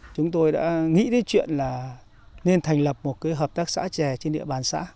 chúng tôi đã nghĩ đến chuyện là nên thành lập một cái hợp tác xã trẻ trên địa bàn xã